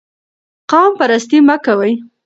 قوم پرستي مه کوئ.